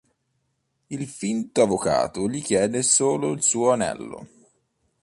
Il finto avvocato gli chiede solo il suo anello.